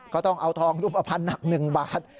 ก็ต้องเอาทองรุมอพันธุ์หนัก๑บาท